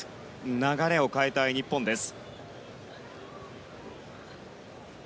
流れを変えたい日本です。